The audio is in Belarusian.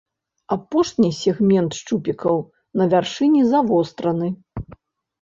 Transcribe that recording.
Апошні сегмент шчупікаў на вяршыні завостраны.